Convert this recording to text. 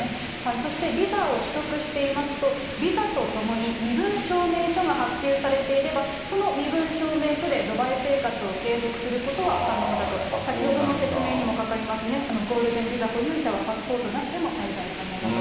そしてビザを取得していますと、ビザと共に、身分証明書が発給されていれば、その身分証明書でドバイ生活を継続することは可能だと、先ほどの説明にもかかりますね、ゴールデンビザ保有者はパスポートなしでも滞在可能だと。